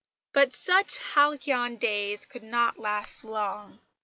But such halcyon days could not last long.